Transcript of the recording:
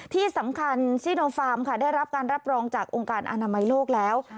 ที่สำคัญซิโนฟาร์มค่ะได้รับการรับรองจากองค์การอนามัยโลกแล้ว